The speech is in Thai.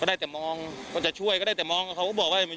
กู้ภัยก็เลยมาช่วยแต่ฝ่ายชายก็เลยมาช่วย